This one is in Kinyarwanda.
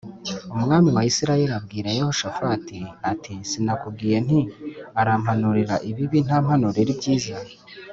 Umwami wa Isirayeli abwira Yehoshafati ati sinakubwiye nti arampanurira ibibi ntampanurira ibyiza